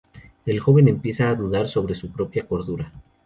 El joven empieza a dudar sobre su propia cordura.